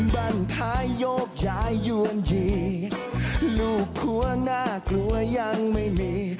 บ้านท้ายโยกย้ายยวนทีลูกครัวน่ากลัวยังไม่มี